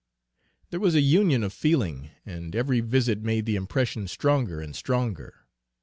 There was a union of feeling, and every visit made the impression stronger and stronger.